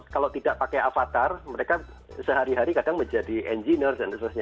kalau tidak pakai avatar mereka sehari hari kadang menjadi engineer dan sebagainya